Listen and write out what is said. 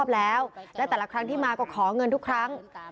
แล้วและแต่ละครั้งที่มาก็ขอเงินทุกครั้ง